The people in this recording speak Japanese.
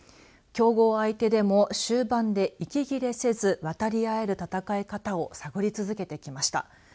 強豪相手でも、終盤で息切れせず渡り合える戦い方を探り続けてきました。